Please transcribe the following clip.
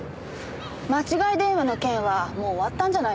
間違い電話の件はもう終わったんじゃないですか？